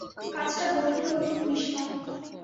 কাজটা গর্হিত কিন্তু নিষ্পাপ।